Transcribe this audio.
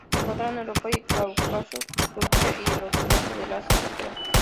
Se encuentra en Europa, el Cáucaso, Turquía y el occidente del Asia central.